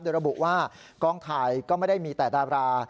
โดยระบุว่ากองถ่ายก็ไม่ได้มีแต่ดารา